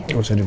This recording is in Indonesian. aku mau tidur